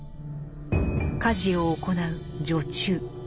家事を行う「女中」。